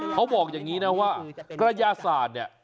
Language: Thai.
เขาบอกอย่างนี้นะว่ากระยาศาสตร์เนี่ย